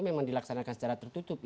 memang dilaksanakan secara tertutup